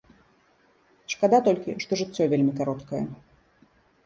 Шкада толькі, што жыццё вельмі кароткае.